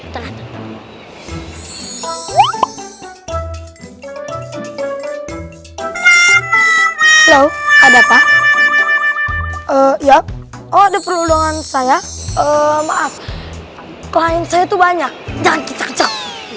kalau ada pak oh ya oh ada perundangan saya maaf klien saya itu banyak jangan kita cek